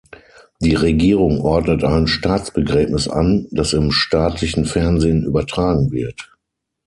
Die Regierung ordnet ein Staatsbegräbnis an, das im staatlichen Fernsehen übertragen wird.